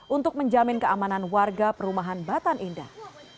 untuk menjamin keamanan warga perumahan batan indah